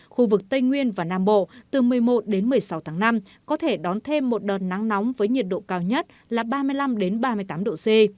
khu vực tây nguyên và nam bộ từ một mươi một đến một mươi sáu tháng năm có thể đón thêm một đợt nắng nóng với nhiệt độ cao nhất là ba mươi năm ba mươi tám độ c